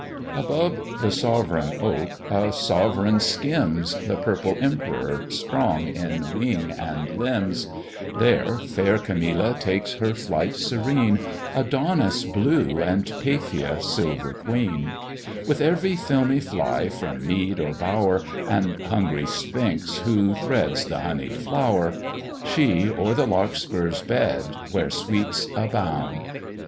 Above the sovereign oak, a sovereign skims, The purple Emp'ror, strong in wing and limbs: There fair Camilla takes her flight serene, Adonis blue, and Paphia silver queen; With every filmy fly from mead or bower, And hungry Sphinx who threads the honey'd flower; She o'er the Larkspur's bed, where sweets abound.